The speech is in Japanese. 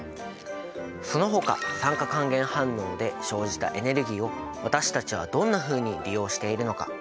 そのほか酸化還元反応で生じたエネルギーを私たちはどんなふうに利用しているのか？